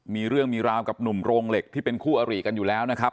มีเรื่องมีราวกับหนุ่มโรงเหล็กที่เป็นคู่อริกันอยู่แล้วนะครับ